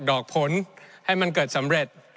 อกผลให้มันเกิดสำเร็จ